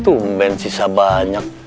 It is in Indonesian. tumben sisa banyak